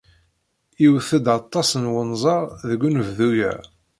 Iwet-d aṭas n wenẓar deg unebdu-a.